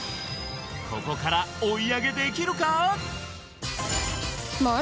ここから追い上げできるか？